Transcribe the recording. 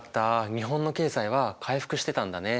日本の経済は回復してたんだね。